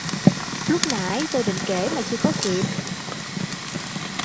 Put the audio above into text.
Lúc nãy tôi định Kể mà chưa có kịp